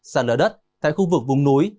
sàn lở đất tại khu vực vùng núi